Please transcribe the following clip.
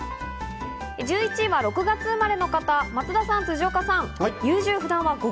１１位は６月生まれの方、松田さん、辻岡さん。